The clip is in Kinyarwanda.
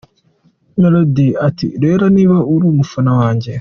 Melodie ati “Rero niba uri umufana wanjye.